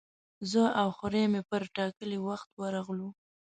زه او خوریی مې پر ټاکلي وخت ورغلو.